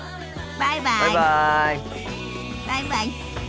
バイバイ。